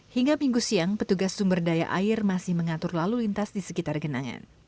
hingga minggu siang petugas sumber daya air masih mengatur lalu lintas di sekitar genangan